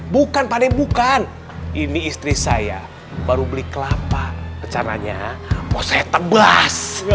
bukan bukan ini istri saya baru beli kelapa caranya mau saya tebas